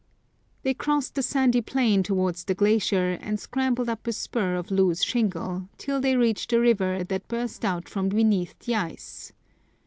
They crossed the sandy plain towards the glacier, and scrambled up a spur of loose shingle, till they reached a river that burst out from beneath the ice.